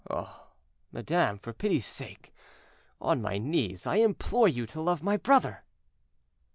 Oh! madame, for pity's sake, on my knees I implore you to love my brother."